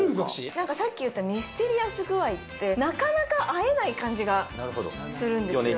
なんかさっき言ったミステリアス具合って、なかなか会えない感じがするんですよ。